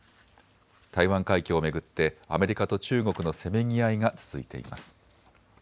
台湾海峡を巡ってアメリカと中国のせめぎ合いが続いています。